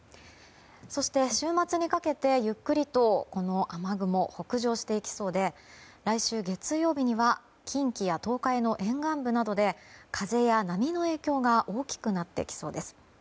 そして、週末にかけてゆっくりと雨雲が北上していきそうで来週月曜日には近畿や東海の沿岸部などで風や波の影響が大きくなってきそうです。